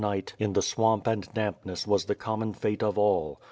317 night in the swamp and dampness was the common fate of all.